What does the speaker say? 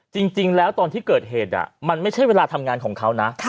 จริงแล้วตอนที่เกิดเหตุมันไม่ใช่เวลาทำงานของเขานะ